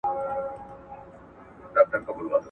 راته ښکاري چي لرمه لا خبري د ویلو.